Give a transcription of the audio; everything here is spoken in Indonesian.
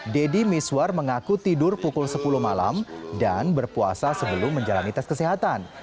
deddy miswar mengaku tidur pukul sepuluh malam dan berpuasa sebelum menjalani tes kesehatan